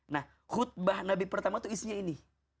nah khutbah nabi pertama itu isinya ini